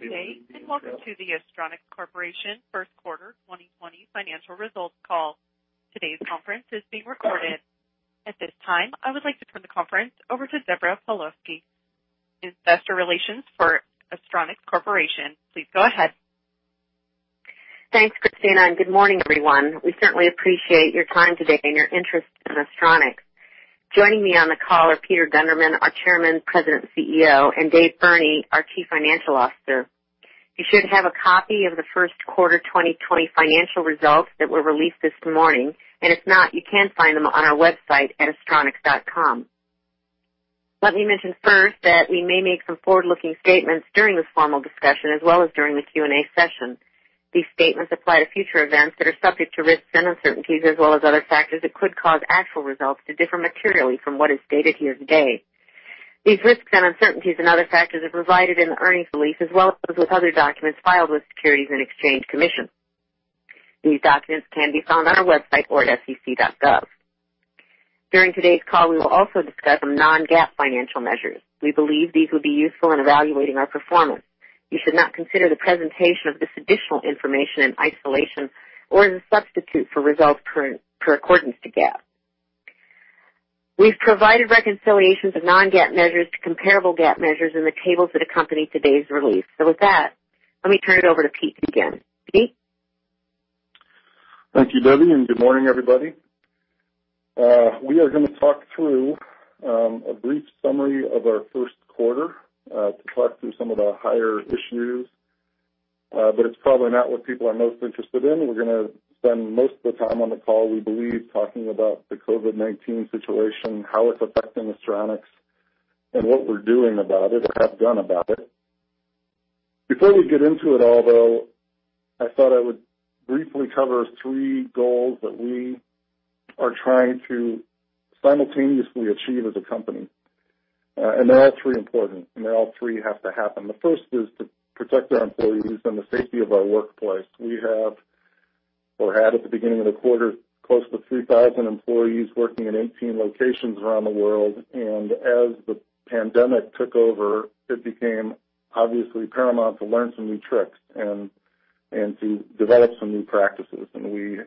Good day, and welcome to the Astronics Corporation first quarter 2020 financial results call. Today's conference is being recorded. At this time, I would like to turn the conference over to Deborah Pawlowski, Investor Relations for Astronics Corporation. Please go ahead. Thanks, Christina. Good morning, everyone. We certainly appreciate your time today and your interest in Astronics. Joining me on the call are Peter Gundermann, our chairman, president, CEO, and David Burney, our chief financial officer. You should have a copy of the first quarter 2020 financial results that were released this morning, and if not, you can find them on our website at astronics.com. Let me mention first that we may make some forward-looking statements during this formal discussion as well as during the Q&A session. These statements apply to future events that are subject to risks and uncertainties as well as other factors that could cause actual results to differ materially from what is stated here today. These risks and uncertainties and other factors are provided in the earnings release as well as with other documents filed with Securities and Exchange Commission. These documents can be found on our website or at sec.gov. During today's call, we will also discuss some non-GAAP financial measures. We believe these will be useful in evaluating our performance. You should not consider the presentation of this additional information in isolation or as a substitute for results per accordance to GAAP. We've provided reconciliations of non-GAAP measures to comparable GAAP measures in the tables that accompany today's release. With that, let me turn it over to Peter Gundermann again. Peter Gundermann? Thank you, Deborah Pawlowski, and good morning, everybody. We are going to talk through a brief summary of our first quarter to talk through some of the higher issues, but it's probably not what people are most interested in. We're going to spend most of the time on the call, we believe, talking about the COVID-19 situation, how it's affecting Astronics, and what we're doing about it or have done about it. Before we get into it, although, I thought I would briefly cover three goals that we are trying to simultaneously achieve as a company. They're all three important, and they all three have to happen. The first is to protect our employees and the safety of our workplace. We have or had at the beginning of the quarter, close to 3,000 employees working in 18 locations around the world. As the pandemic took over, it became obviously paramount to learn some new tricks and to develop some new practices. We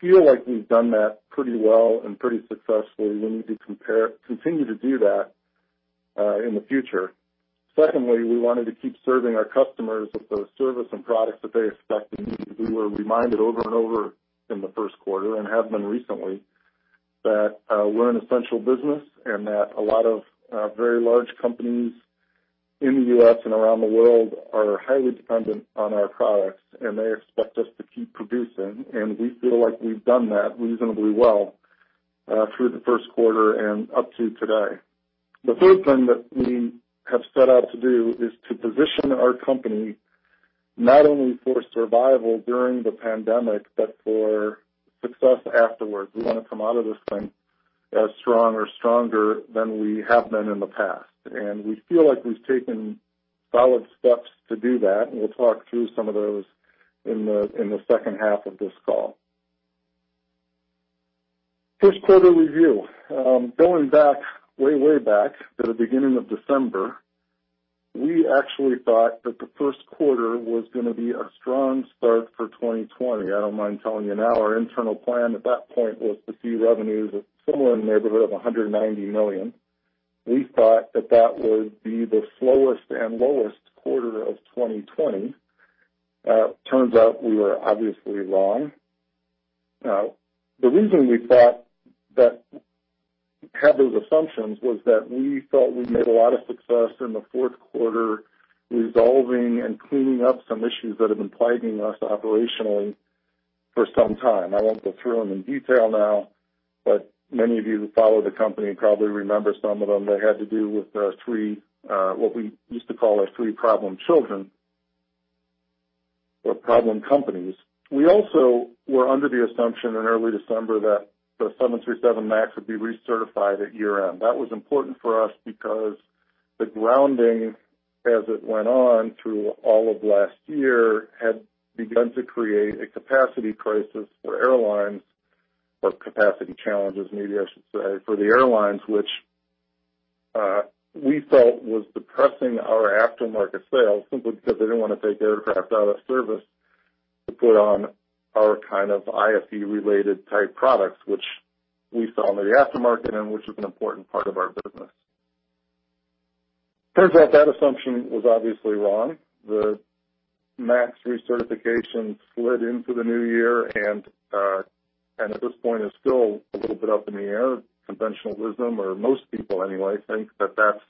feel like we've done that pretty well and pretty successfully. We need to continue to do that in the future. Secondly, we wanted to keep serving our customers with the service and products that they expect and need. We were reminded over and over in the first quarter, and have been recently, that we're an essential business and that a lot of very large companies in the U.S. and around the world are highly dependent on our products, and they expect us to keep producing. We feel like we've done that reasonably well through the first quarter and up to today. The third thing that we have set out to do is to position our company not only for survival during the pandemic, but for success afterwards. We want to come out of this thing as strong or stronger than we have been in the past. We feel like we've taken solid steps to do that, and we'll talk through some of those in the second half of this call. First quarter review. Going back, way back to the beginning of December, we actually thought that the first quarter was going to be a strong start for 2020. I don't mind telling you now, our internal plan at that point was to see revenues at similar neighborhood of $190 million. We thought that that would be the slowest and lowest quarter of 2020. Turns out we were obviously wrong. The reason we thought that had those assumptions was that we felt we made a lot of success in the fourth quarter resolving and cleaning up some issues that have been plaguing us operationally for some time. I won't go through them in detail now, but many of you who follow the company probably remember some of them that had to do with our three, what we used to call our three-problem children or problem companies. We also were under the assumption in early December that the 737 MAX would be recertified at year-end. That was important for us because the grounding, as it went on through all of last year, had begun to create a capacity crisis for airlines or capacity challenges, maybe I should say, for the airlines, which we felt was depressing our aftermarket sales simply because they didn't want to take aircraft out of service to put on our kind of IFE-related type products, which we sell in the aftermarket and which is an important part of our business. Turns out that assumption was obviously wrong. The MAX recertification slid into the new year and at this point is still a little bit up in the air. Conventional wisdom or most people anyway, think that that's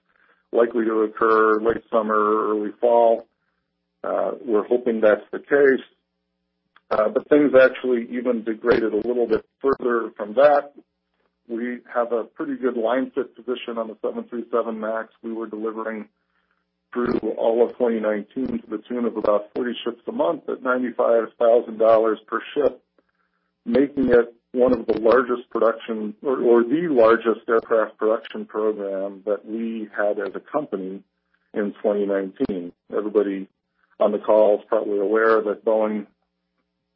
likely to occur late summer or early fall. We're hoping that's the case. Things actually even degraded a little bit further from that. We have a pretty good line-fit position on the 737 MAX. We were delivering through all of 2019 to the tune of about 40 ships a month at $95,000 per ship, making it one of the largest production or the largest aircraft production program that we had as a company in 2019. Everybody on the call is probably aware that Boeing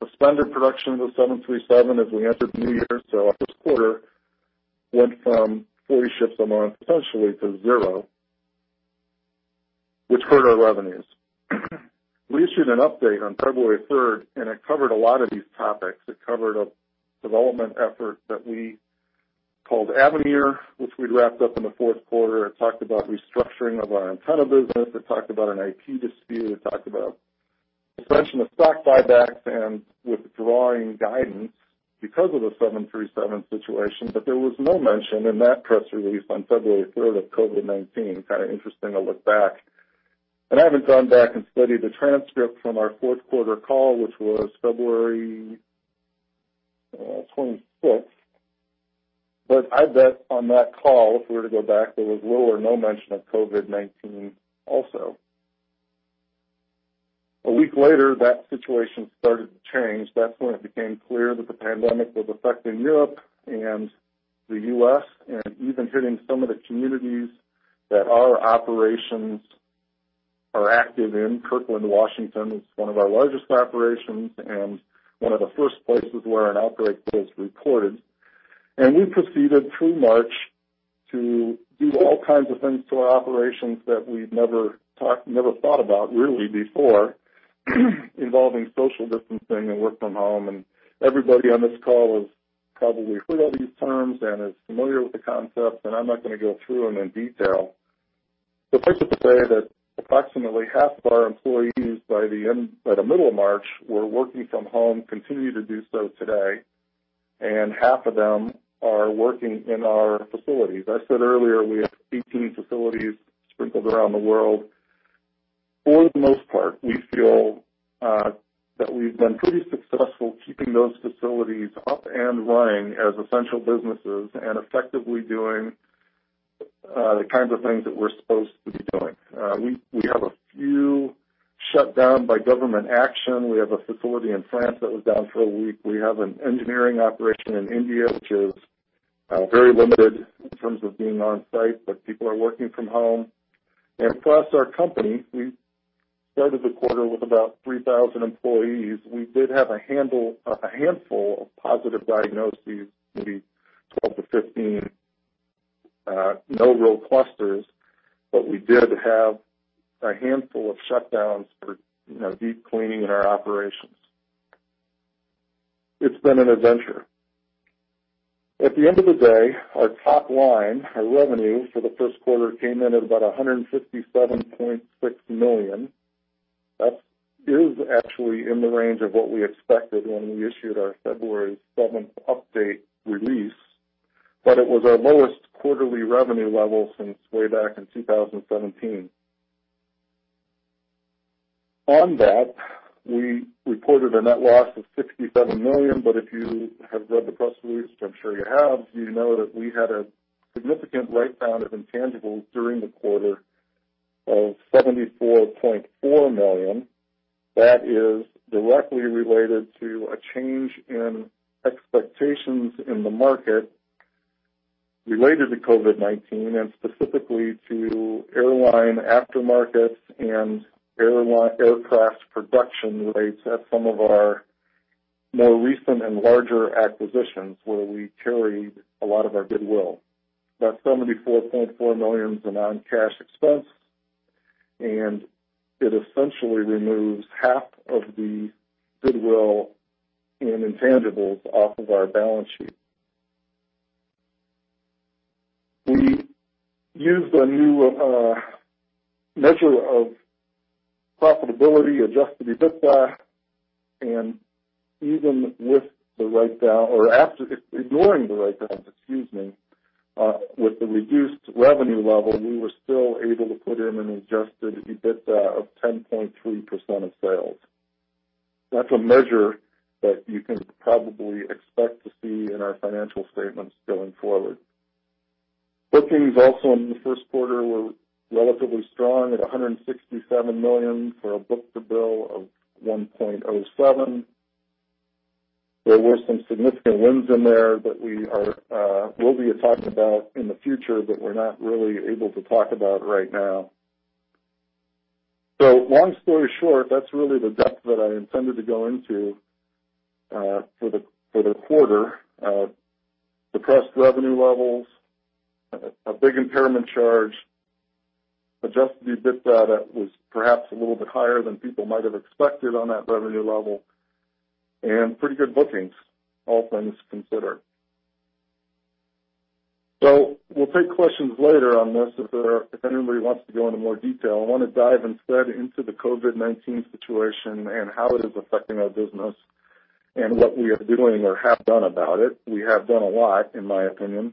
suspended production of the 737 as we entered the new year. Our first quarter went from 40 ships a month, essentially, to zero, which hurt our revenues. We issued an update on February 3rd. It covered a lot of these topics. It covered a development effort that we called Avenir, which we'd wrapped up in the fourth quarter. It talked about restructuring of our antenna business. It talked about an IP dispute. It talked about suspension of stock buybacks and withdrawing guidance because of the 737 situation. There was no mention in that press release on February 3rd of COVID-19. Kind of interesting to look back. I haven't gone back and studied the transcript from our fourth quarter call, which was February 26th. I bet on that call, if we were to go back, there was little or no mention of COVID-19 also. A week later, that situation started to change. That's when it became clear that the pandemic was affecting Europe and the U.S., and even hitting some of the communities that our operations are active in. Kirkland, Washington is one of our largest operations and one of the first places where an outbreak was reported. We proceeded through March to do all kinds of things to our operations that we'd never thought about, really, before, involving social distancing and work from home. Everybody on this call has probably heard all these terms and is familiar with the concept. I'm not going to go through them in detail. Suffice it to say that approximately half of our employees by the middle of March were working from home, continue to do so today, and half of them are working in our facilities. I said earlier, we have 18 facilities sprinkled around the world. For the most part, we feel that we've been pretty successful keeping those facilities up and running as essential businesses and effectively doing the kinds of things that we're supposed to be doing. We have a few shut down by government action. We have a facility in France that was down for one week. We have an engineering operation in India, which is very limited in terms of being on-site, but people are working from home. Across our company, we started the quarter with about 3,000 employees. We did have a handful of positive diagnoses, maybe 12 to 15. No real clusters, but we did have a handful of shutdowns for deep cleaning in our operations. It's been an adventure. At the end of the day, our top line, our revenue for the first quarter came in at about $157.6 million. That is actually in the range of what we expected when we issued our February statement update release, but it was our lowest quarterly revenue level since way back in 2017. On that, we reported a net loss of $67 million. If you have read the press release, which I'm sure you have, you know that we had a significant write-down of intangibles during the quarter of $74.4 million. That is directly related to a change in expectations in the market related to COVID-19 and specifically to airline aftermarket and aircraft production rates at some of our more recent and larger acquisitions where we carried a lot of our goodwill. That $74.4 million is a non-cash expense, and it essentially removes half of the goodwill and intangibles off of our balance sheet. We used a new measure of profitability, adjusted EBITDA, and even ignoring the write-downs, excuse me. With the reduced revenue level, we were still able to put in an adjusted EBITDA of 10.3% of sales. That's a measure that you can probably expect to see in our financial statements going forward. Bookings also in the first quarter were relatively strong at $167 million for a book-to-bill of 1.07. There were some significant wins in there that we'll be talking about in the future, but we're not really able to talk about right now. Long story short, that's really the depth that I intended to go into for the quarter of depressed revenue levels, a big impairment charge, adjusted EBITDA that was perhaps a little bit higher than people might have expected on that revenue level, and pretty good bookings, all things considered. We'll take questions later on this if anybody wants to go into more detail. I want to dive instead into the COVID-19 situation and how it is affecting our business and what we are doing or have done about it. We have done a lot, in my opinion.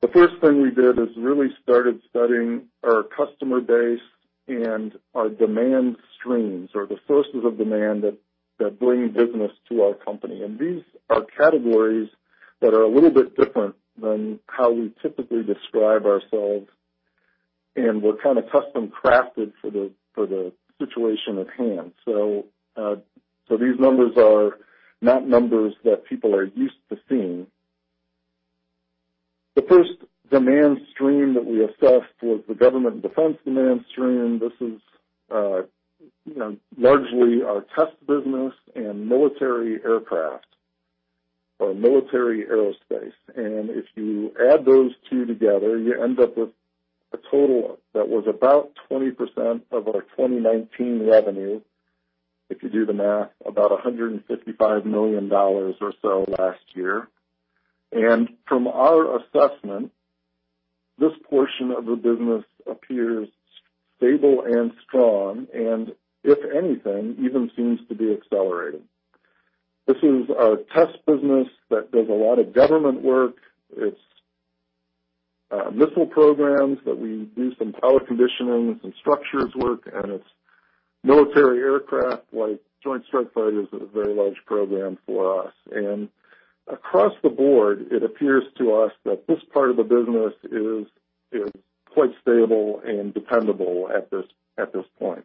The first thing we did is really started studying our customer base and our demand streams or the sources of demand that bring business to our company. These are categories that are a little bit different than how we typically describe ourselves, and we're kind of custom crafted for the situation at hand. These numbers are not numbers that people are used to seeing. The first demand stream that we assessed was the government defense demand stream. This is largely our test business and military aircraft or military aerospace. If you add those two together, you end up with a total that was about 20% of our 2019 revenue. If you do the math, about $155 million or so last year. From our assessment, this portion of the business appears stable and strong, and if anything, even seems to be accelerating. This is our test business that does a lot of government work. It's missile programs that we do some power conditioning, some structures work, and it's military aircraft, like Joint Strike Fighter is a very large program for us. Across the board, it appears to us that this part of the business is quite stable and dependable at this point.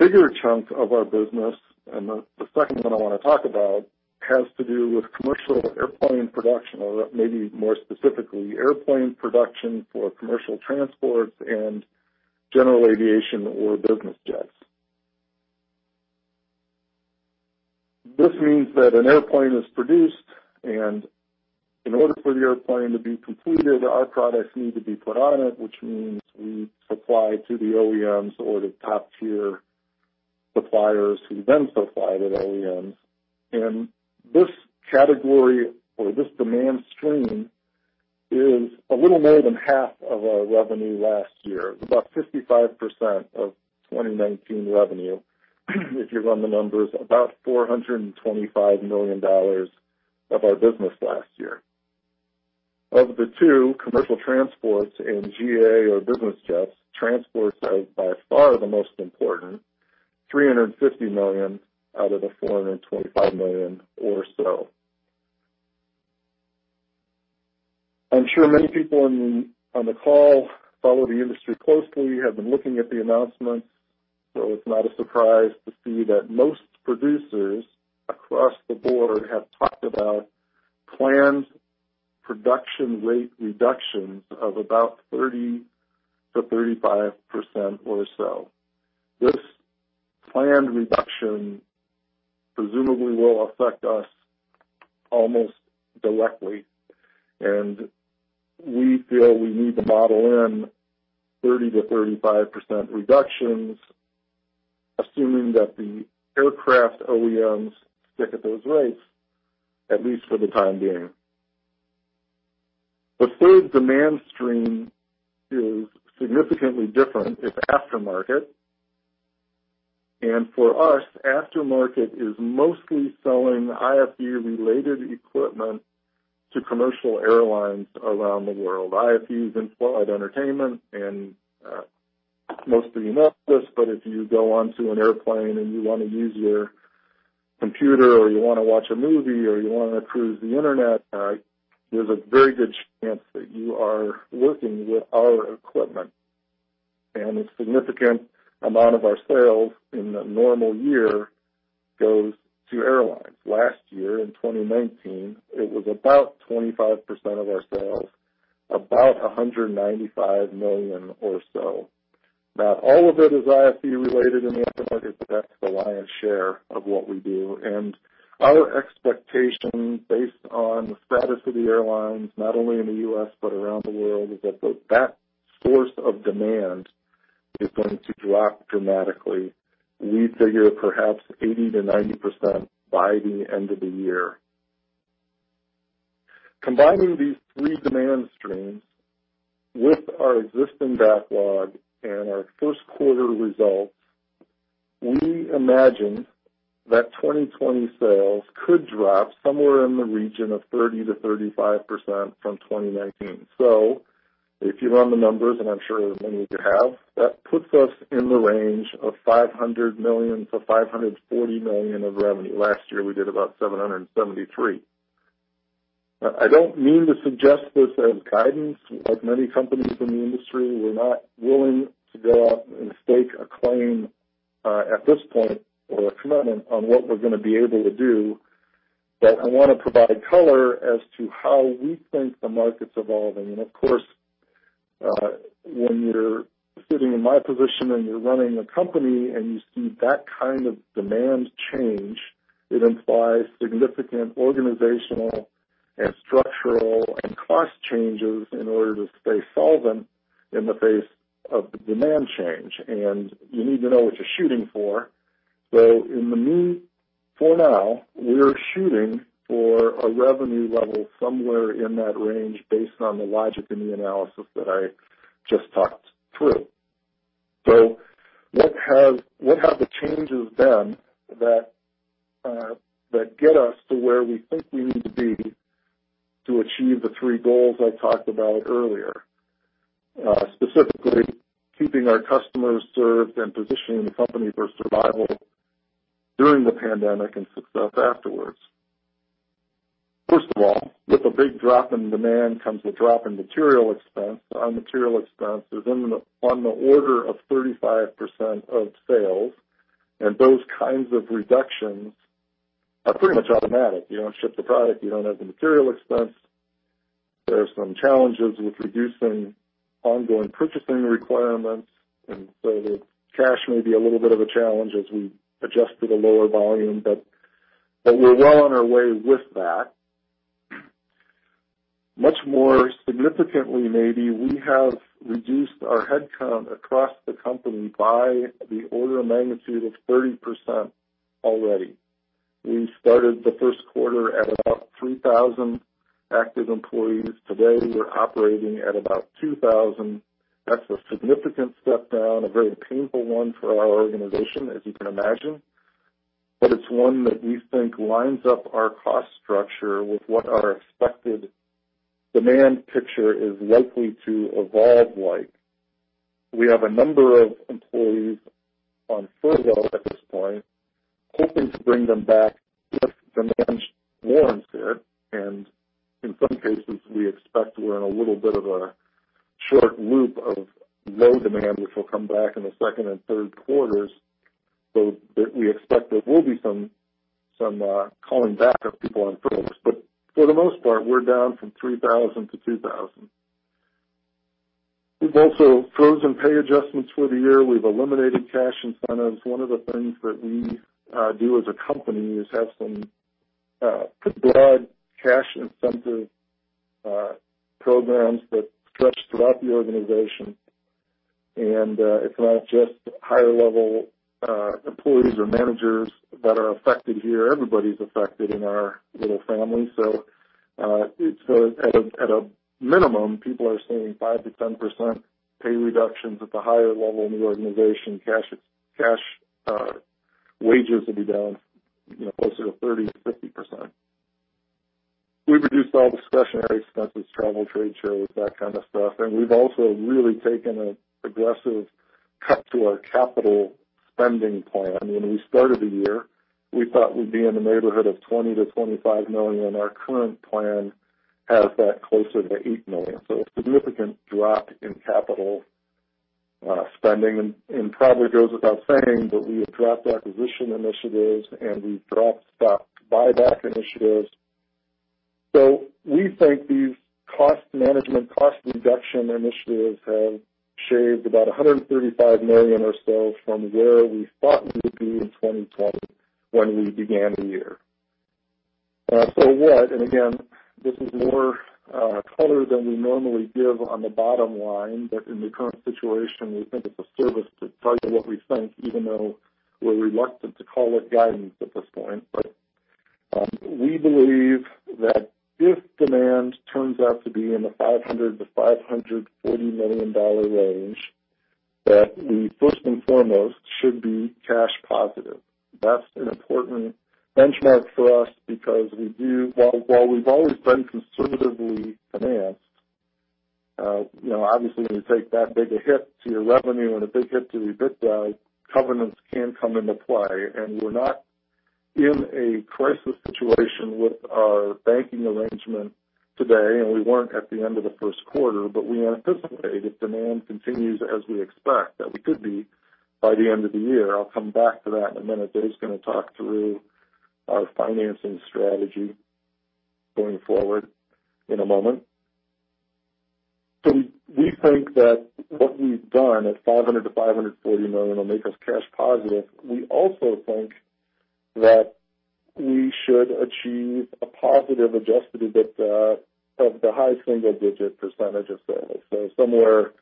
The bigger chunk of our business, and the second one I want to talk about, has to do with commercial airplane production, or maybe more specifically, airplane production for commercial transport and General Aviation or business jets. This means that an airplane is produced, and in order for the airplane to be completed, our products need to be put on it, which means we supply to the OEMs or the top-tier suppliers who then supply to the OEMs. This category or this demand stream is a little more than half of our revenue last year. It's about 55% of 2019 revenue. If you run the numbers, about $425 million of our business last year. Of the two, commercial transports and GA or business jets, transports are by far the most important, $350 million out of the $425 million or so. I'm sure many people on the call follow the industry closely, have been looking at the announcements, so it's not a surprise to see that most producers across the board have talked about planned production rate reductions of about 30%-35% or so. This planned reduction presumably will affect us almost directly, and we feel we need to model in 30%-35% reductions, assuming that the aircraft OEMs stick at those rates, at least for the time being. The third demand stream is significantly different. It's aftermarket. For us, aftermarket is mostly selling IFE-related equipment to commercial airlines around the world. IFE is in-flight entertainment, and most of you know this, but if you go onto an airplane and you want to use your computer or you want to watch a movie or you want to cruise the Internet, there's a very good chance that you are working with our equipment. A significant amount of our sales in a normal year goes to airlines. Last year, in 2019, it was about 25% of our sales, about $195 million or so. Not all of it is IFE-related in the aftermarket, but that's the lion's share of what we do. Our expectation, based on the status of the airlines, not only in the U.S. but around the world, is that source of demand is going to drop dramatically. We figure perhaps 80%-90% by the end of the year. Combining these three demand streams with our existing backlog and our first quarter results, we imagine that 2020 sales could drop somewhere in the region of 30%-35% from 2019. If you run the numbers, and I'm sure many of you have, that puts us in the range of $500 million-$540 million of revenue. Last year, we did about $773. I don't mean to suggest this as guidance. Like many companies in the industry, we're not willing to go out and stake a claim at this point or a commitment on what we're going to be able to do. I want to provide color as to how we think the market's evolving. Of course, when you're sitting in my position and you're running a company and you see that kind of demand change, it implies significant organizational and structural and cost changes in order to stay solvent in the face of the demand change. You need to know what you're shooting for. In the mean, for now, we are shooting for a revenue level somewhere in that range based on the logic and the analysis that I just talked through. What have the changes been that get us to where we think we need to be to achieve the three goals I talked about earlier? Specifically, keeping our customers served and positioning the company for survival during the pandemic and success afterwards. First of all, with a big drop in demand comes a drop in material expense. Our material expense is on the order of 35% of sales. Those kinds of reductions are pretty much automatic. You don't ship the product, you don't have the material expense. There are some challenges with reducing ongoing purchasing requirements, and so the cash may be a little bit of a challenge as we adjust to the lower volume, but we're well on our way with that. Much more significantly maybe, we have reduced our headcount across the company by the order of magnitude of 30% already. We started the first quarter at about 3,000 active employees. Today, we're operating at about 2,000. That's a significant step down, a very painful one for our organization, as you can imagine. It's one that we think lines up our cost structure with what our expected demand picture is likely to evolve like. We have a number of employees on furlough at this point, hoping to bring them back if demand warrants it, and in some cases, we expect we're in a little bit of a short loop of low demand which will come back in the second and third quarters, so we expect there will be some calling back of people on furloughs. For the most part, we're down from 3,000 to 2,000. We've also frozen pay adjustments for the year. We've eliminated cash incentives. One of the things that we do as a company is have some pretty broad cash incentive programs that stretch throughout the organization. It's not just higher-level employees or managers that are affected here. Everybody's affected in our little family. At a minimum, people are seeing 5%-10% pay reductions. At the higher level in the organization, cash wages will be down closer to 30%-50%. We've reduced all discretionary expenses, travel, trade shows, that kind of stuff, and we've also really taken an aggressive cut to our capital spending plan. When we started the year, we thought we'd be in the neighborhood of $20 million-$25 million. Our current plan has that closer to $8 million. A significant drop in capital spending, and probably goes without saying that we have dropped acquisition initiatives and we've dropped stock buyback initiatives. We think these cost management, cost reduction initiatives have shaved about $135 million or so from where we thought we would be in 2020 when we began the year. What? Again, this is more color than we normally give on the bottom line, but in the current situation, we think it's a service to tell you what we think, even though we're reluctant to call it guidance at this point. We believe that if demand turns out to be in the $500 million-$540 million range, that we first and foremost should be cash positive. That's an important benchmark for us because while we've always been conservatively financed, obviously when you take that big a hit to your revenue and a big hit to the EBITDA, covenants can come into play. We're not in a crisis situation with our banking arrangement today, and we weren't at the end of the first quarter, but we anticipate if demand continues as we expect, that we could be by the end of the year. I'll come back to that in a minute. David Burney is going to talk through our financing strategy going forward in a moment. We think that what we've done at $500 million-$540 million will make us cash positive. We also think that we should achieve a positive adjusted EBITDA of the high single-digit percentage of sales. Somewhere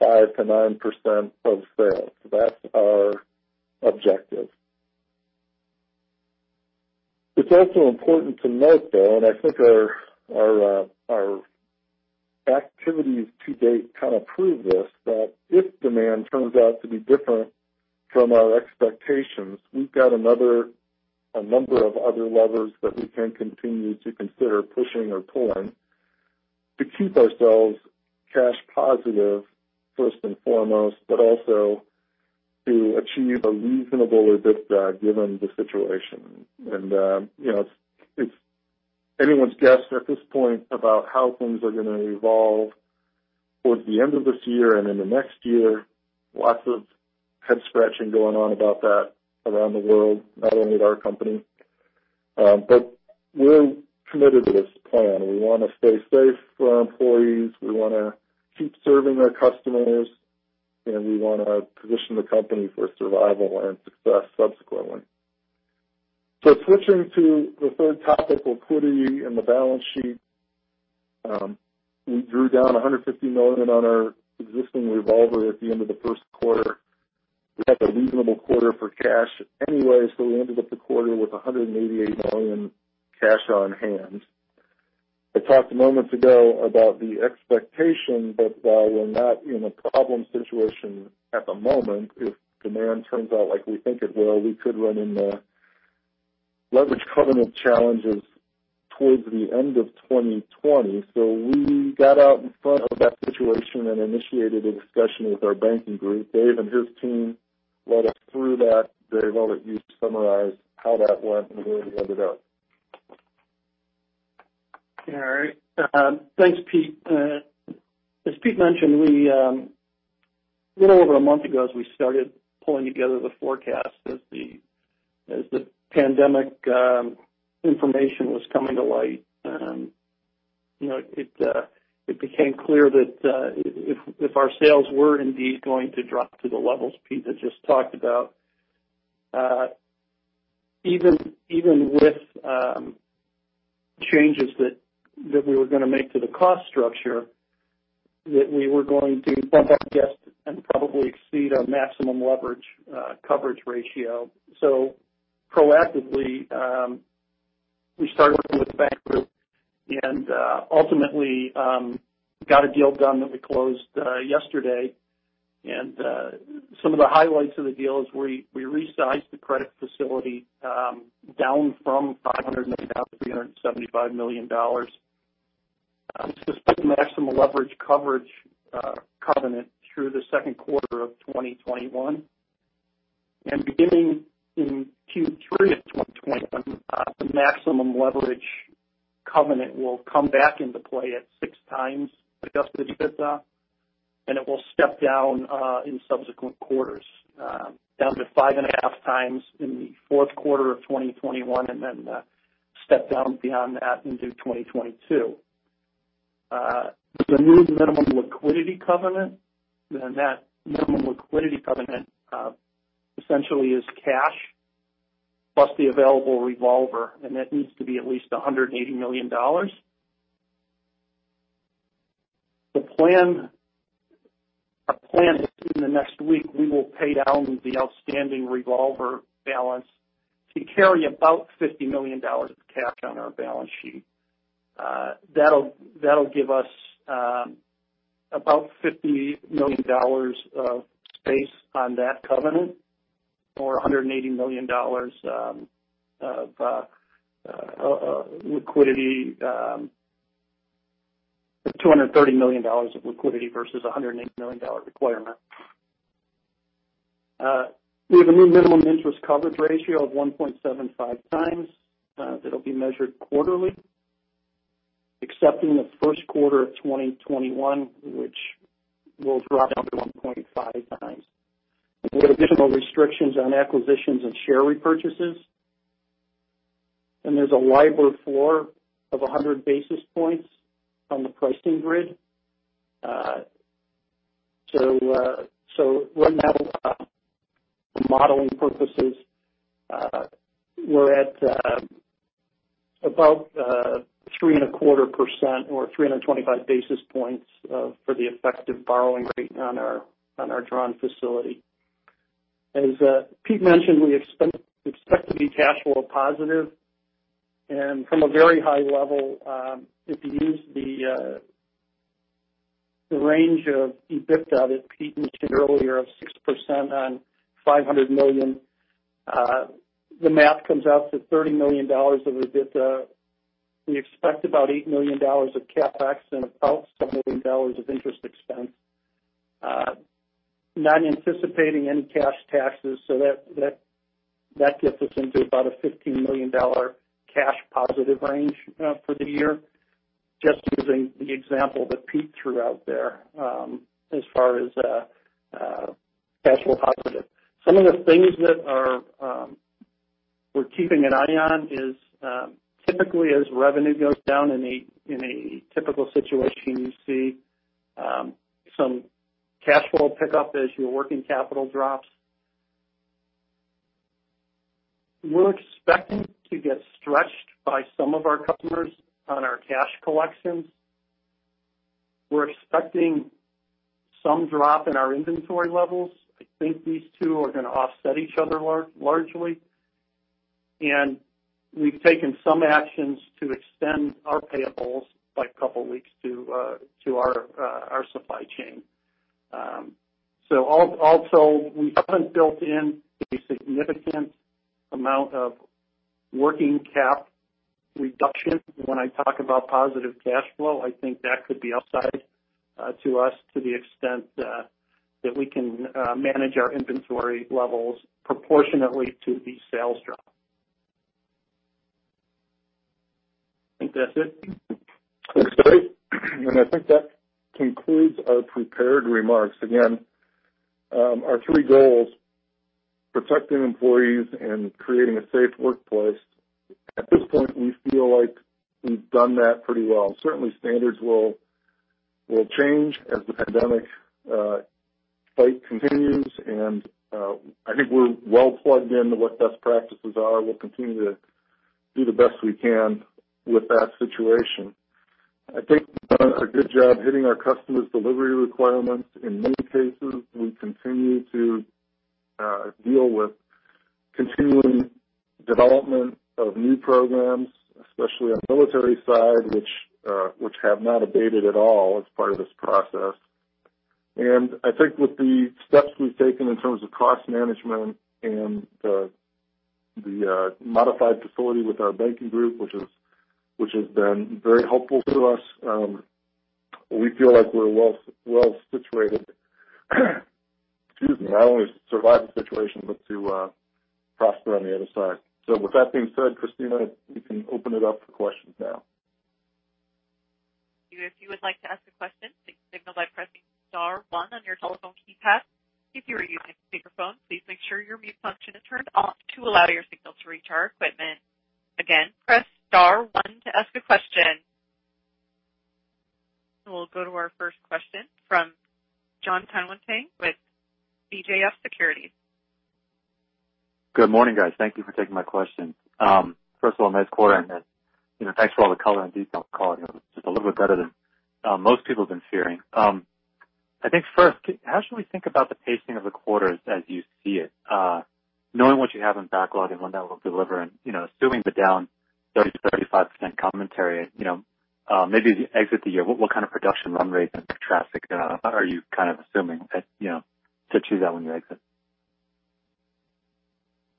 5%-9% of sales. That's our objective. It's also important to note, though, and I think our activities to date kind of prove this, that if demand turns out to be different from our expectations, we've got a number of other levers that we can continue to consider pushing or pulling to keep ourselves cash positive first and foremost, but also to achieve a reasonable EBITDA given the situation. It's anyone's guess at this point about how things are going to evolve towards the end of this year and into next year. Lots of head-scratching going on about that around the world, not only at our company. We're committed to this plan. We want to stay safe for our employees, we want to keep serving our customers, and we want to position the company for survival and success subsequently. Switching to the third topic, liquidity and the balance sheet. We drew down $150 million on our existing revolver at the end of the first quarter. We had a reasonable quarter for cash anyway, so we ended up the quarter with $188 million cash on hand. I talked moments ago about the expectation that while we're not in a problem situation at the moment, if demand turns out like we think it will, we could run into leverage covenant challenges towards the end of 2020. We got out in front of that situation and initiated a discussion with our banking group. David Burney and his team led us through that. David Burney, I'll let you summarize how that went and where we ended up. All right. Thanks, Peter Gundermann. As Peter Gundermann mentioned, a little over a month ago, as we started pulling together the forecast as the pandemic information was coming to light, it became clear that if our sales were indeed going to drop to the levels Peter Gundermann had just talked about, even with changes that we were going to make to the cost structure, that we were going to bump up against and probably exceed our maximum leverage coverage ratio. Proactively, we started working with the bank group and ultimately got a deal done that we closed yesterday. Some of the highlights of the deal is we resized the credit facility down from $590 million to $375 million. Suspended the maximum leverage coverage covenant through the second quarter of 2021. Beginning in Q3 of 2021, the maximum leverage covenant will come back into play at six times adjusted EBITDA. It will step down in subsequent quarters, down to five and a half times in the fourth quarter of 2021, then step down beyond that into 2022. There's a new minimum liquidity covenant, that minimum liquidity covenant essentially is cash plus the available revolver, that needs to be at least $180 million. Our plan is in the next week, we will pay down the outstanding revolver balance to carry about $50 million of cash on our balance sheet. That'll give us about $50 million of space on that covenant or $180 million of liquidity. $230 million of liquidity versus $180 million requirement. We have a new minimum interest coverage ratio of 1.75 times. That'll be measured quarterly, except in the first quarter of 2021, which will drop down to 1.5 times. We have additional restrictions on acquisitions and share repurchases. There's a LIBOR floor of 100 basis points on the pricing grid. Right now, for modeling purposes, we're at about 3.25% or 325 basis points for the effective borrowing rate on our drawn facility. As Peter Gundermann mentioned, we expect to be cash flow positive. From a very high level, if you use the range of EBITDA that Peter Gundermann mentioned earlier of 6% on $500 million, the math comes out to $30 million of EBITDA. We expect about $8 million of CapEx and about $7 million of interest expense. Not anticipating any cash taxes, that gets us into about a $15 million cash positive range for the year. Just using the example that Peter Gundermann threw out there as far as cash flow positive. Some of the things that we're keeping an eye on is typically as revenue goes down in a typical situation, you see some cash flow pick up as your working capital drops. We're expecting to get stretched by some of our customers on our cash collections. We're expecting some drop in our inventory levels. I think these two are going to offset each other largely. We've taken some actions to extend our payables by a couple of weeks to our supply chain. Also, we haven't built in a significant amount of working cap reduction. When I talk about positive cash flow, I think that could be upside to us to the extent that we can manage our inventory levels proportionately to the sales drop. I think that's it. Looks great. I think that concludes our prepared remarks. Again, our three goals, protecting employees and creating a safe workplace. At this point, we feel like we've done that pretty well. Certainly standards will change as the pandemic fight continues, and I think we're well plugged into what best practices are. We'll continue to do the best we can with that situation. I think we've done a good job hitting our customers' delivery requirements. In many cases, we continue to deal with continuing development of new programs, especially on the military side, which have not abated at all as part of this process. I think with the steps we've taken in terms of cost management and the modified facility with our banking group, which has been very helpful to us. We feel like we're well-situated, excuse me, not only to survive the situation, but to prosper on the other side. With that being said, Christina, we can open it up for questions now. If you would like to ask a question, signal by pressing star one on your telephone keypad. If you are using speakerphone, please make sure your mute function is turned off to allow your signal to reach our equipment. Again, press star one to ask a question. We'll go to our first question from Jonathan Tanwanteng with CJS Securities. Good morning, guys. Thank you for taking my question. First of all, nice quarter and then thanks for all the color and detail on the call. It was just a little bit better than most people have been fearing. I think first, how should we think about the pacing of the quarter as you see it? Knowing what you have in backlog and when that will deliver and assuming the down 30%-35% commentary, maybe as you exit the year, what kind of production run rates and traffic are you assuming to achieve that when you exit?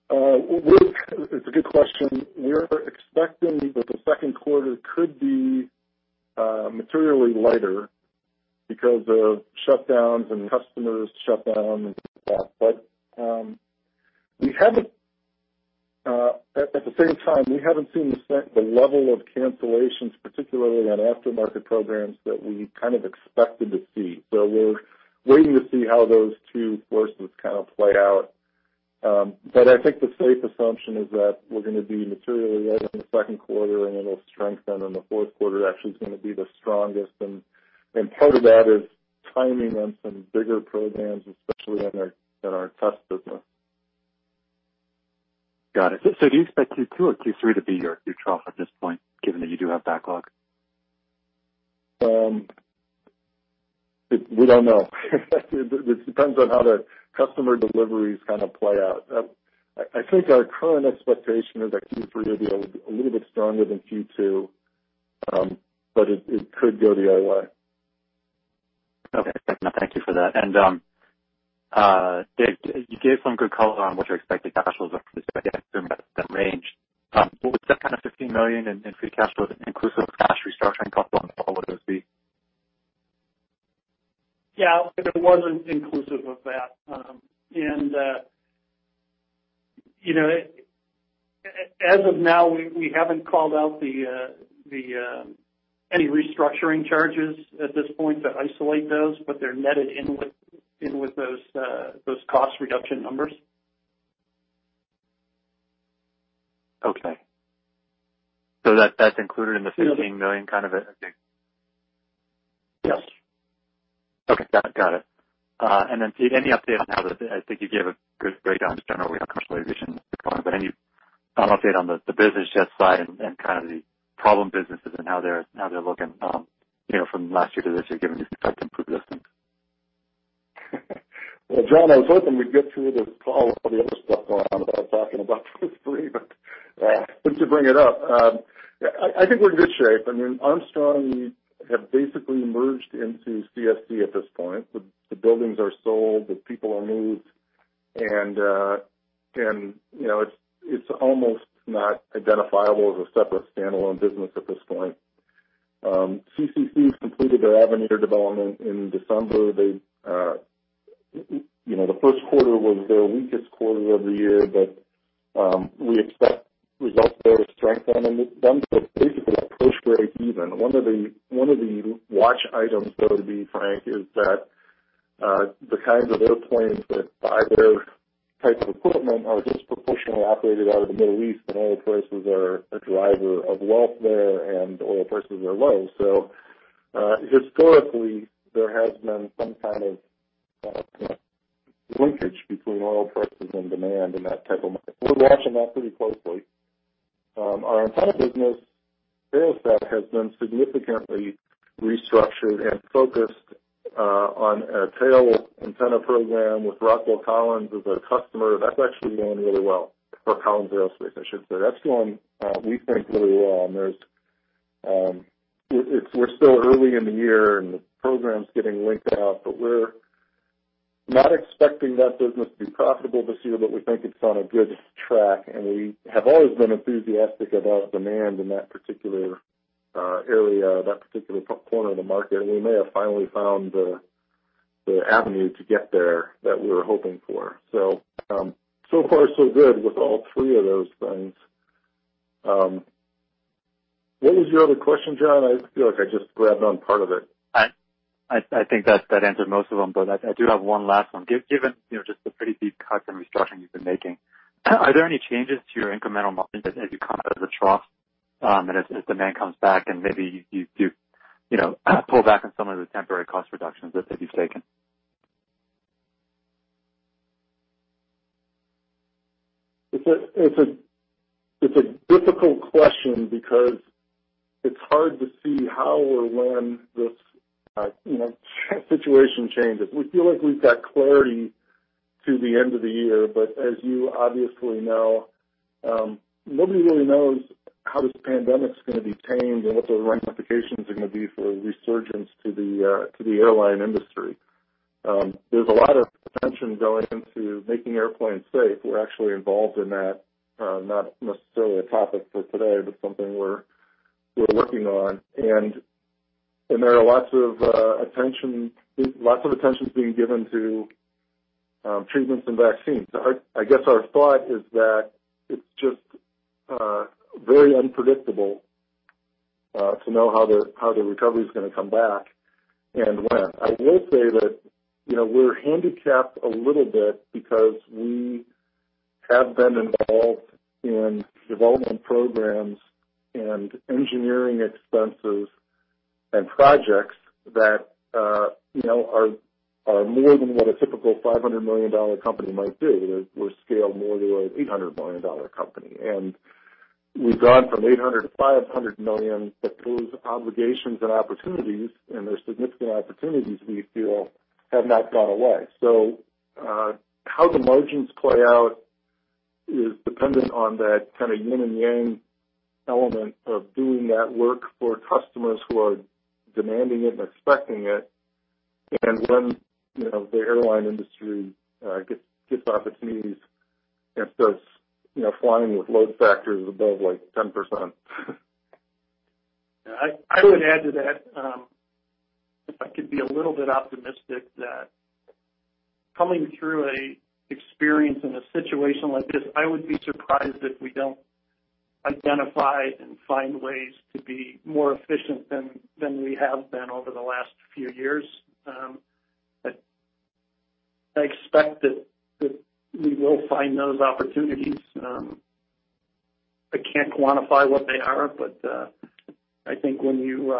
It's a good question. We're expecting that the second quarter could be materially lighter because of shutdowns and customers shut down and stuff like that. At the same time, we haven't seen the level of cancellations, particularly on aftermarket programs that we expected to see. We're waiting to see how those two forces play out. I think the safe assumption is that we're going to be materially lower in the second quarter, and it'll strengthen in the fourth quarter. Actually, it's going to be the strongest. Part of that is timing on some bigger programs, especially in our test business. Got it. Do you expect Q2 or Q3 to be your new trough at this point, given that you do have backlog? We don't know. It depends on how the customer deliveries play out. I think our current expectation is that Q3 will be a little bit stronger than Q2. It could go the other way. Okay. No, thank you for that. David Burney, you gave some good color on what your expected cash flows are for this, I assume, that range. Was that $15 million in free cash flow inclusive of cash restructuring costs on the call? Yeah, it wasn't inclusive of that. As of now, we haven't called out any restructuring charges at this point to isolate those, but they're netted in with those cost reduction numbers. Okay. That's included in the $15 million. Yes. Okay. Got it. Then Peter Gundermann, I think you gave a good breakdown, just generally on commercial aviation at the moment, any update on the business jet side and kind of the problem businesses and how they're looking from last year to this year, given these cuts in production? Jonathan Tanwanteng, I was hoping we'd get through this call with all the other stuff going on without talking about those three, but since you bring it up, I think we're in good shape. Armstrong have basically merged into CSC at this point. The buildings are sold, the people are moved, and it's almost not identifiable as a separate standalone business at this point. CCC completed their Avenir development in December. The first quarter was their weakest quarter of the year, but we expect results there to strengthen, and it's basically at push grade even. One of the watch items, though, to be frank, is that the kinds of airplanes that buy those types of equipment are disproportionately operated out of the Middle East, and oil prices are a driver of wealth there, and oil prices are low. Historically, there has been some kind of linkage between oil prices and demand in that type of market. We're watching that pretty closely. Our antenna business, AeroSat, has been significantly restructured and focused on a tail antenna program with Rockwell Collins as a customer. That's actually going really well for Collins Aerospace, I should say. That's going, we think, really well. We're still early in the year, and the program's getting linked out, but we're not expecting that business to be profitable this year. We think it's on a good track, and we have always been enthusiastic about demand in that particular area, that particular corner of the market. We may have finally found the avenue to get there that we were hoping for. So far so good with all three of those things. What was your other question, Jonathan Tanwanteng? I feel like I just grabbed on part of it. I think that answered most of them. I do have one last one. Given just the pretty deep cuts and restructuring you've been making, are there any changes to your incremental margin as you come out of the trough, and as demand comes back and maybe you do pull back on some of the temporary cost reductions that you've taken? It's a difficult question because it's hard to see how or when this situation changes. We feel like we've got clarity to the end of the year, but as you obviously know, nobody really knows how this pandemic is going to be tamed and what the ramifications are going to be for a resurgence to the airline industry. There's a lot of attention going into making airplanes safe. We're actually involved in that. Not necessarily a topic for today, but something we're working on. There are lots of attention being given to treatments and vaccines. I guess our thought is that it's just very unpredictable to know how the recovery is going to come back and when. I will say that we're handicapped a little bit because we have been involved in development programs and engineering expenses and projects that are more than what a typical $500 million company might do. We're scaled more to an $800 million company. We've gone from $800 million to $500 million, but those obligations and opportunities, and they're significant opportunities we feel, have not gone away. How the margins play out is dependent on that kind of yin and yang element of doing that work for customers who are demanding it and expecting it, and when the airline industry gets opportunities and starts flying with load factors above like 10%. I would add to that, if I could be a little bit optimistic, that coming through an experience in a situation like this, I would be surprised if we don't identify and find ways to be more efficient than we have been over the last few years. I expect that we will find those opportunities. I can't quantify what they are, but I think when you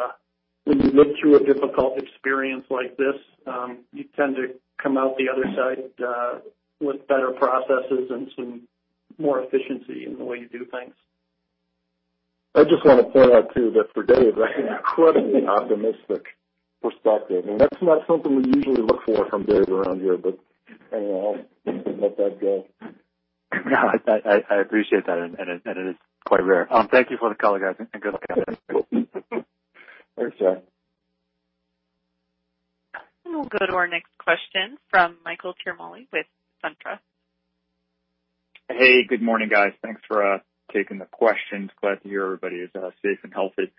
live through a difficult experience like this, you tend to come out the other side with better processes and some more efficiency in the way you do things. I just want to point out too that for David Burney, that's an incredibly optimistic perspective, and that's not something we usually look for from David Burney around here, but I'll let that go. No, I appreciate that, and it is quite rare. Thank you for the color, guys, and good luck. Thanks, Jonathan Tanwanteng. We'll go to our next question from Michael Ciarmoli with SunTrust. Hey, good morning, guys. Thanks for taking the questions. Glad to hear everybody is safe and healthy.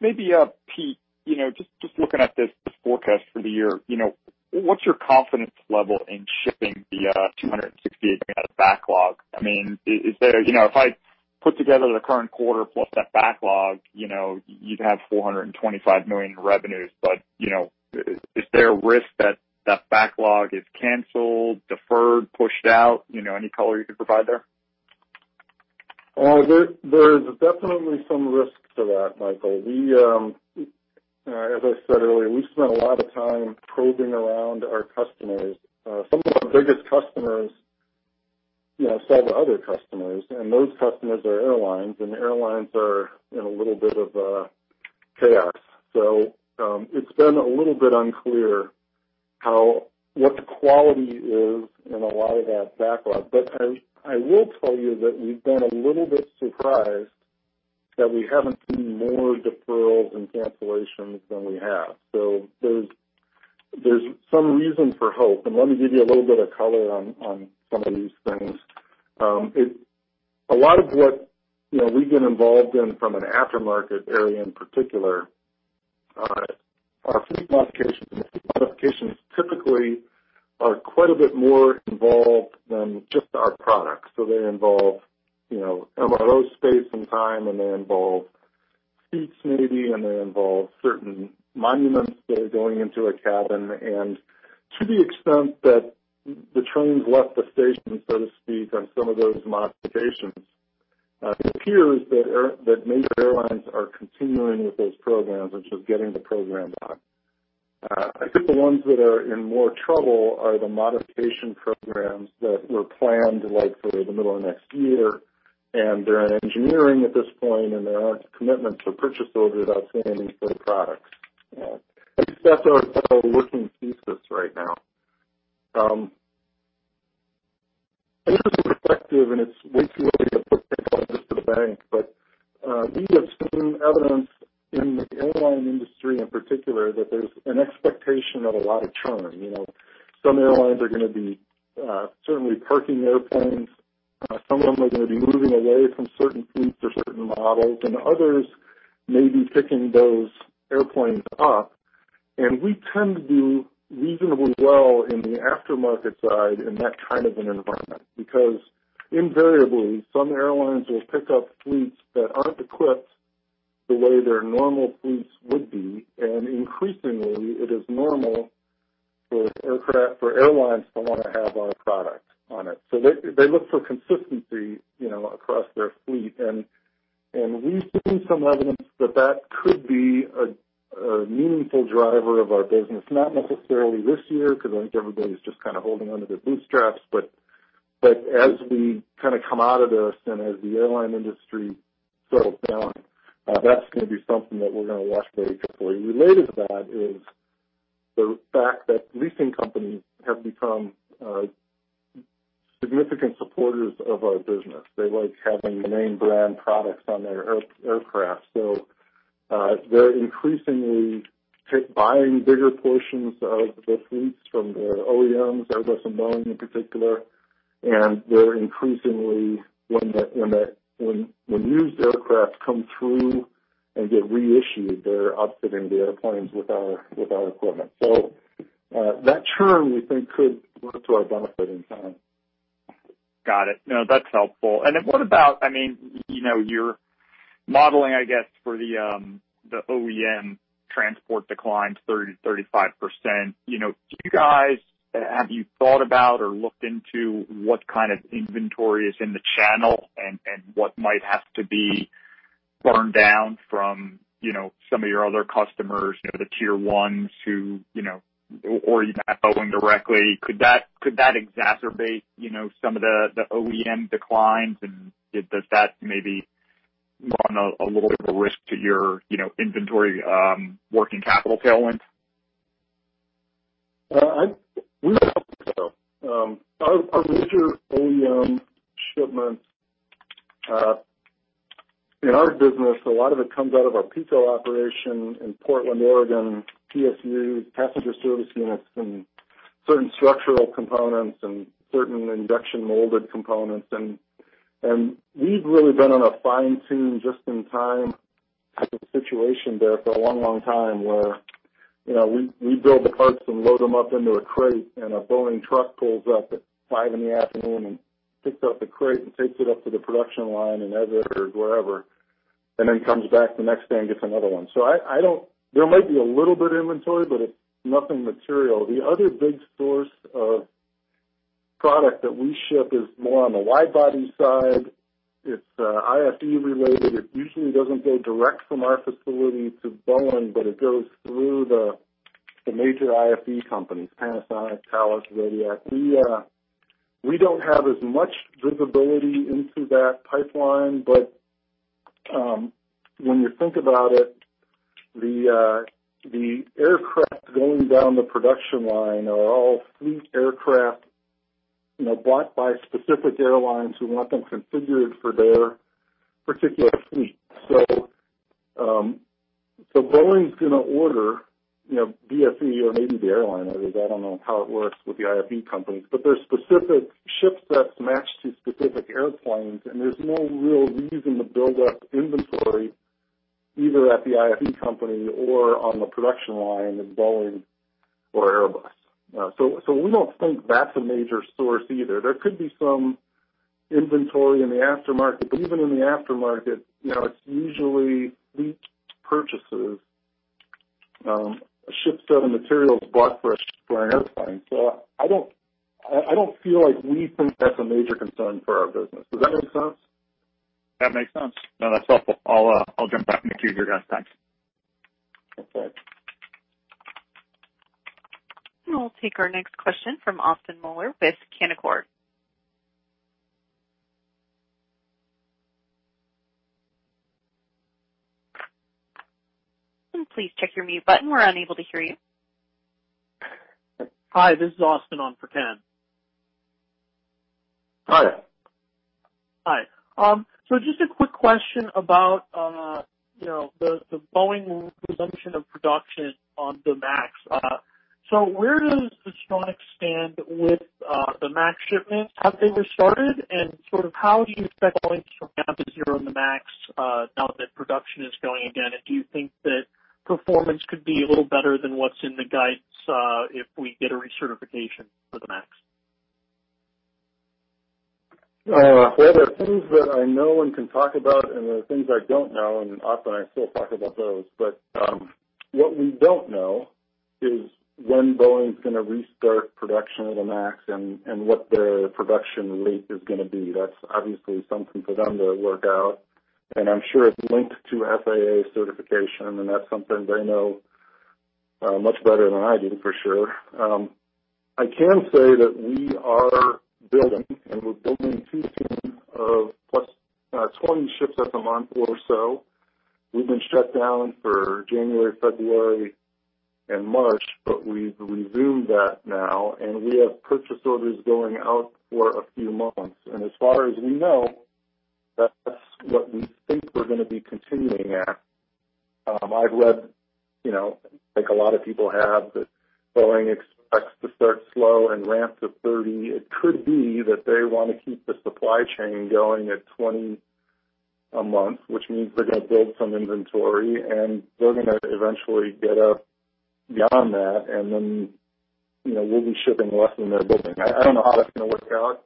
Maybe, Peter Gundermann, just looking at this forecast for the year, what's your confidence level in shipping the $268 million backlog? If I put together the current quarter plus that backlog, you'd have $425 million in revenues, but is there a risk that that backlog is canceled, deferred, pushed out? Any color you could provide there? There's definitely some risks to that, Michael Ciarmoli. As I said earlier, we spent a lot of time probing around our customers. Some of our biggest customers sell to other customers, and those customers are airlines, and the airlines are in a little bit of a chaos. It's been a little bit unclear what the quality is in a lot of that backlog. I will tell you that we've been a little bit surprised that we haven't seen more deferrals and cancellations than we have. There's some reason for hope. Let me give you a little bit of color on some of these things. A lot of what we've been involved in from an aftermarket area in particular, are fleet modifications. Fleet modifications typically are quite a bit more involved than just our products. They involve MRO space and time, and they involve seats maybe, and they involve certain monuments that are going into a cabin. To the extent that the trains left the station, so to speak, on some of those modifications, it appears that major airlines are continuing with those programs and just getting the program done. I think the ones that are in more trouble are the modification programs that were planned like for the middle of next year, and they're in engineering at this point, and there aren't commitments or purchase orders outstanding for the products. I guess that's our working thesis right now. I guess it's speculative and it's way too early to put that one in the bank, but we have seen evidence in the airline industry in particular that there's an expectation of a lot of churn. Some airlines are going to be certainly parking airplanes. Some of them are going to be moving away from certain fleets or certain models, and others may be picking those airplanes up. We tend to do reasonably well in the aftermarket side in that kind of an environment, because invariably, some airlines will pick up fleets that aren't equipped the way their normal fleets would be. Increasingly, it is normal for airlines to want to have our product on it. They look for consistency across their fleet. We've seen some evidence that that could be a meaningful driver of our business. Not necessarily this year, because I think everybody's just kind of holding onto their bootstraps, but as we kind of come out of this and as the airline industry settles down, that's going to be something that we're going to watch very carefully. Related to that is the fact that leasing companies have become significant supporters of our business. They like having name brand products on their aircraft. They're increasingly buying bigger portions of the fleets from their OEMs, Airbus and Boeing in particular, and they're increasingly, when used aircraft come through and get reissued, they're outfitting the airplanes with our equipment. That churn, we think, could work to our benefit in time. Got it. No, that's helpful. What about your modeling, I guess, for the OEM transport declines 30%-35%? Have you thought about or looked into what kind of inventory is in the channel and what might have to be burned down from some of your other customers, the Tier Is who, or even at Boeing directly? Could that exacerbate some of the OEM declines? Does that maybe run a little bit of a risk to your inventory working capital tailwinds? We don't think so. Our major OEM shipments, in our business, a lot of it comes out of our PECO operation in Portland, Oregon, PSU, passenger service units, and certain structural components and certain injection molded components. We've really been on a fine tune just in time type of situation there for a long, long time, where we build the parts and load them up into a crate, and a Boeing truck pulls up at 5:00 P.M. and picks up the crate and takes it up to the production line in Everett or wherever, and then comes back the next day and gets another one. There might be a little bit of inventory, but it's nothing material. The other big source of product that we ship is more on the wide body side. It's IFE related. It usually doesn't go direct from our facility to Boeing, but it goes through the major IFE companies, Panasonic, Thales, Zodiac. We don't have as much visibility into that pipeline. When you think about it, the aircraft going down the production line are all fleet aircraft, bought by specific airlines who want them configured for their particular fleet. Boeing's going to order BFE or maybe the airline. I don't know how it works with the IFE companies, but there's specific ship sets matched to specific airplanes, and there's no real reason to build up inventory either at the IFE company or on the production line of Boeing or Airbus. We don't think that's a major source either. There could be some inventory in the aftermarket, but even in the aftermarket, it's usually fleet purchases, a ship set of materials bought for an airplane. I don't feel like we think that's a major concern for our business. Does that make sense? That makes sense. That's helpful. I'll jump back and make sure you guys thanks. That's it. We'll take our next question from Austin Moeller with Canaccord. Please check your mute button. We're unable to hear you. Hi, this is Austin Moeller on for Ken. Hi. Hi. Just a quick question about the Boeing resumption of production on the MAX. Where does Astronics stand with the MAX shipments? Have they restarted? Sort of how do you expect Boeing to ramp up to here on the MAX, now that production is going again? Do you think that performance could be a little better than what's in the guides, if we get a recertification for the MAX? There are things that I know and can talk about, and there are things I don't know, Austin Moeller, I still talk about those. What we don't know is when Boeing's going to restart production of the MAX and what their production rate is going to be. That's obviously something for them to work out, and I'm sure it's linked to FAA certification, and that's something they know much better than I do for sure. I can say that we are building, and we're building to a tune of +20 ship sets a month or so. We've been shut down for January, February, and March, but we've resumed that now, and we have purchase orders going out for a few months. As far as we know, that's what we think we're going to be continuing at. I've read, like a lot of people have, that Boeing expects to start slow and ramp to 30. It could be that they want to keep the supply chain going at 20 a month, which means they're going to build some inventory, and they're going to eventually get up beyond that. We'll be shipping less than they're building. I don't know how that's going to work out.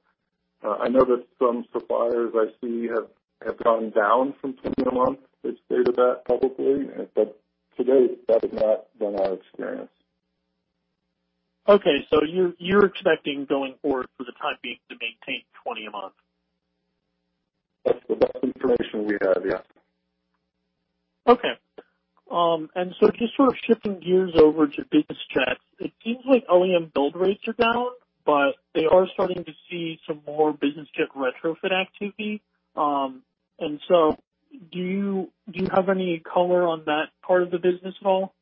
I know that some suppliers I see have gone down from 20 a month. They've stated that publicly, but to date, that has not been our experience. Okay, you're expecting going forward for the time being to maintain 20 a month? That's the best information we have. Yeah. Okay. Just sort of shifting gears over to business jet. It seems like OEM build rates are down, but they are starting to see some more business jet retrofit activity. Do you have any color on that part of the business at all?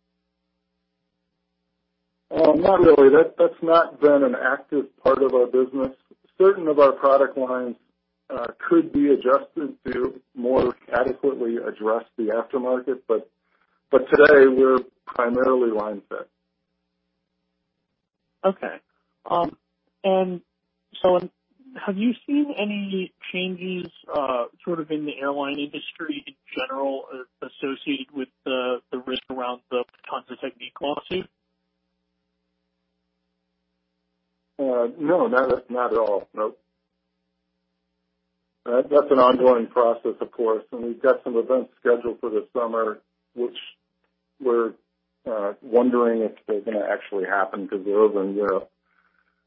Not really. That's not been an active part of our business. Certain of our product lines could be adjusted to more adequately address the aftermarket, but today we're primarily line-fit. Okay. Have you seen any changes in the airline industry in general associated with the risk around the Lufthansa Technik lawsuit? No, not at all. Nope. That's an ongoing process, of course. We've got some events scheduled for this summer, which we're wondering if they're going to actually happen.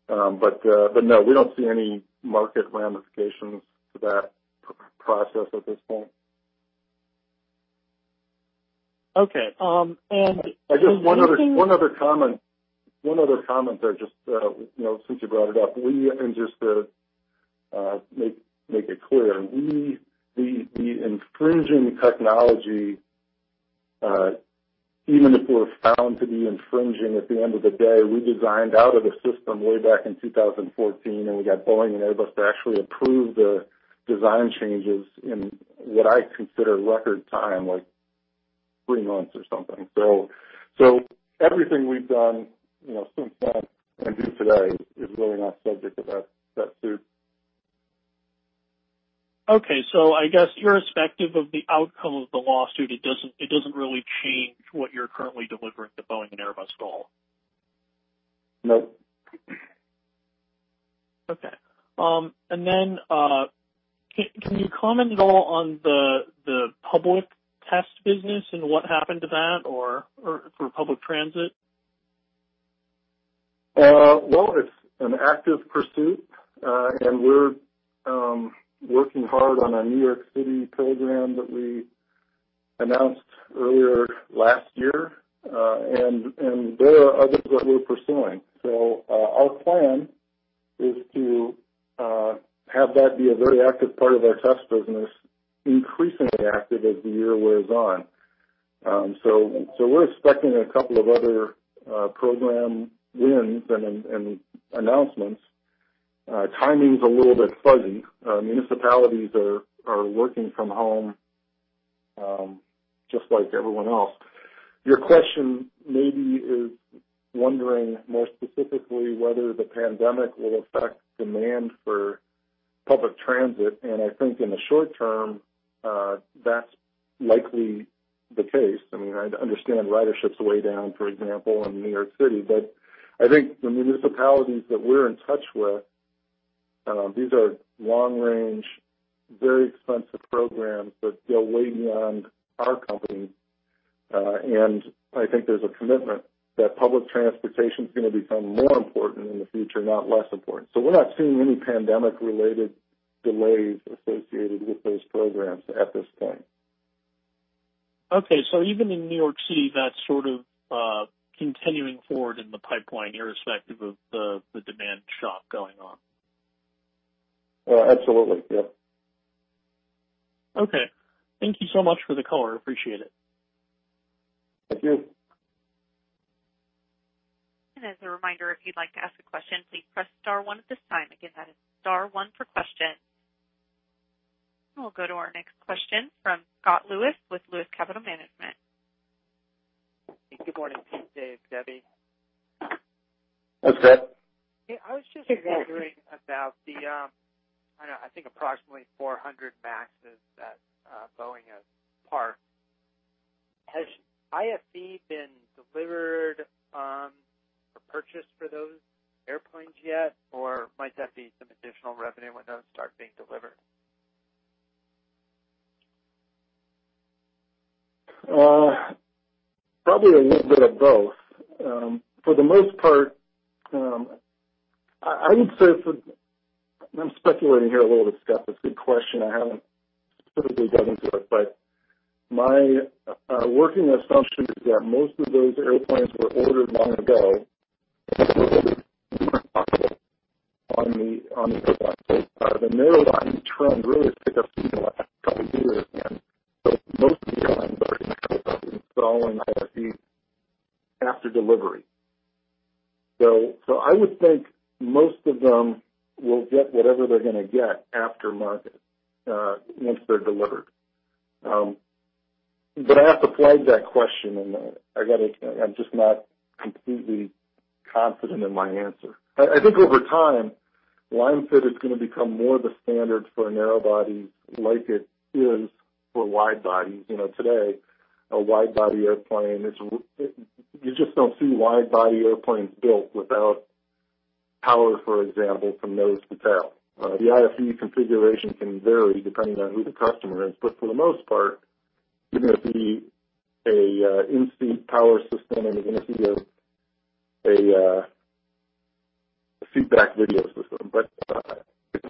No, we don't see any market ramifications to that process at this point. Okay. Just one other comment there, since you brought it up. Just to make it clear, the infringing technology, even if we're found to be infringing at the end of the day, we designed out of the system way back in 2014, and we got Boeing and Airbus to actually approve the design changes in what I consider record time, like three months or something. Everything we've done since then and do today is really not subject to that suit. Okay. I guess irrespective of the outcome of the lawsuit, it doesn't really change what you're currently delivering to Boeing and Airbus at all. No. Okay. Can you comment at all on the public test business and what happened to that or for public transit? Well, it's an active pursuit, and we're working hard on a New York City program that we announced earlier last year. There are others that we're pursuing. Our plan is to have that be a very active part of our test business, increasingly active as the year wears on. We're expecting a couple of other program wins and announcements. Timing's a little bit fuzzy. Municipalities are working from home, just like everyone else. Your question maybe is wondering more specifically whether the pandemic will affect demand for public transit, and I think in the short term, that's likely the case. I understand ridership's way down, for example, in New York City, but I think the municipalities that we're in touch with, these are long-range, very expensive programs that go way beyond our company. I think there's a commitment that public transportation's going to become more important in the future, not less important. We're not seeing any pandemic-related delays associated with those programs at this point. Okay. Even in New York City, that's sort of continuing forward in the pipeline, irrespective of the demand shock going on. Absolutely. Yep. Okay. Thank you so much for the color. Appreciate it. Thank you. As a reminder, if you'd like to ask a question, please press star one at this time. Again, that is star one for questions. We'll go to our next question from Scott Lewis with Lewis Capital Management. Good morning, David Burney, Deborah Pawlowski. That's good. Yeah, I was just wondering about the, I think approximately 400 MAXs that Boeing has parked. Has IFE been delivered or purchased for those airplanes yet? Or might that be some additional revenue when those start being delivered? Probably a little bit of both. For the most part, I would say I'm speculating here a little bit, Scott Lewis. That's a good question. I haven't specifically dug into it, but my working assumption is that most of those airplanes were ordered long ago, on the pipeline. The narrow-body trend really picked up steam the last couple of years, and so most of the airlines are in the process of installing IFE after delivery. I would think most of them will get whatever they're going to get aftermarket, once they're delivered. I have to flag that question, and I'm just not completely confident in my answer. I think over time, line-fit is going to become more the standard for a narrow-body like it is for wide-bodies. Today, a wide-body airplane you just don't see wide-body airplanes built without power, for example, from nose to tail. The IFE configuration can vary depending on who the customer is, for the most part, you're going to see an in-seat power system, and you're going to see a feedback video system.